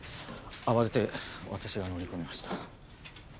慌てて私が乗り込みました。